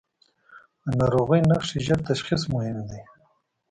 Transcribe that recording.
د ناروغۍ نښې ژر تشخیص مهم دي.